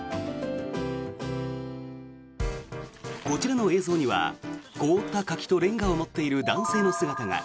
こちらの映像には凍った柿とレンガを持っている男性の姿が。